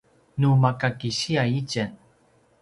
nu maka kisiya itjen